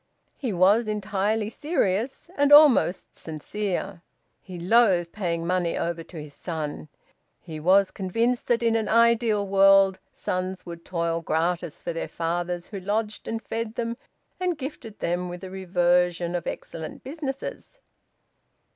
He was entirely serious, and almost sincere. He loathed paying money over to his son. He was convinced that in an ideal world sons would toil gratis for their fathers who lodged and fed them and gifted them with the reversion of excellent businesses.